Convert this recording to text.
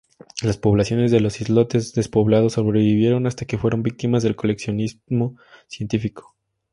Las poblaciones de los islotes, despoblados, sobrevivieron hasta que fueron víctimas del coleccionismo científico.